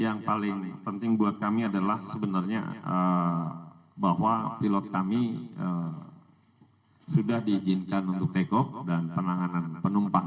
yang paling penting buat kami adalah sebenarnya bahwa pilot kami sudah diizinkan untuk take off dan penanganan penumpang